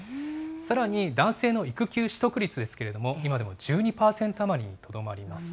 さらに男性の育休取得率ですけれども、今でも１２％余りにとどまります。